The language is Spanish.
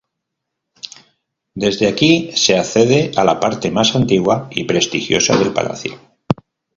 Desde aquí se accede a la parte más antigua y prestigiosa del palacio.